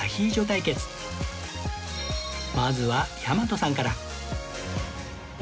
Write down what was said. まずは大和さんから